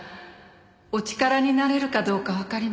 お力になれるかどうかわかりませんが。